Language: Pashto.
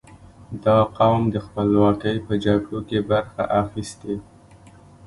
• دا قوم د خپلواکۍ په جګړو کې برخه اخیستې.